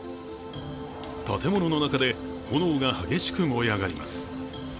建物の中で炎が激しく燃え上がります。